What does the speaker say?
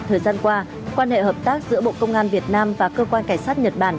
thời gian qua quan hệ hợp tác giữa bộ công an việt nam và cơ quan cảnh sát nhật bản